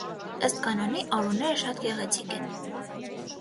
Ըստ կանոնի արուները շատ գեղեցիկ են։